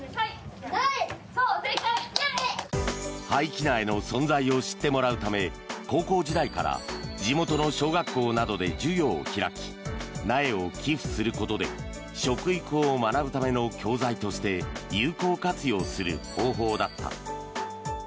廃棄苗の存在を知ってもらうため、高校時代から地元の小学校などで授業を開き苗を寄付することで食育を学ぶための教材として有効活用する方法だった。